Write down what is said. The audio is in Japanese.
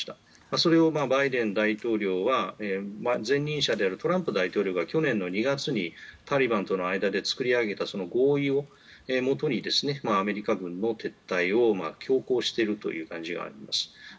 それをバイデン大統領は前任者であるトランプ大統領が去年２月にタリバンとの間で作り上げた合意をもとにアメリカ軍の撤退を強行しているという感じがあります。